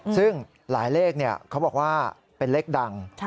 ซึ่งหลายเลขเขาบอกว่าเป็นเลขดัง